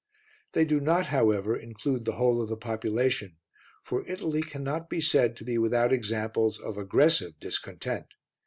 They do not, however, include the whole of the population, for Italy cannot be said to be without examples of aggressive discontent.